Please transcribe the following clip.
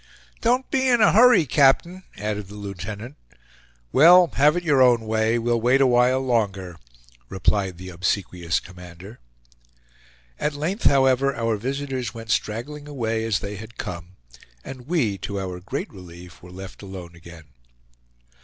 "Don't be in a hurry, captain," added the lieutenant. "Well, have it your own way, we'll wait a while longer," replied the obsequious commander. At length however our visitors went straggling away as they had come, and we, to our great relief, were left alone again.